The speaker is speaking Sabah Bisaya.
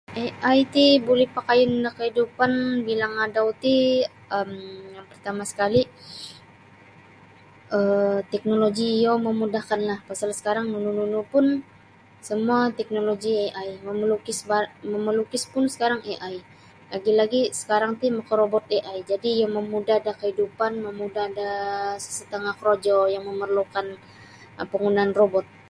AI ti buli pakayun da kaidupan bilang adau ti um yang partama' sekali' um teknoloji iyo mamudahkanlah pasal sekarang nunu-nunu pun semua teknoloji AI mamalukis bar mamalukis pun sekarang AI lagi-lagi' sakarang ti makarobot AI jadi' iyo mamudah da kaidupan mamudah daa satangah korojo yang memerlu'kan um panggunaan robot.